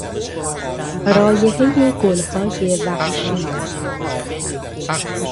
رایحهی گلهای وحشی